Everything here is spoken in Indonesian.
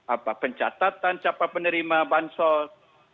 apa pencatatan siapa penerima bansos